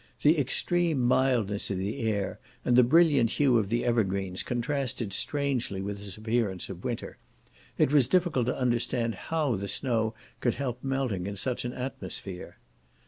The extreme mildness of the air, and the brilliant hue of the evergreens, contrasted strangely with this appearance of winter; it was difficult to understand how the snow could help melting in such an atmosphere.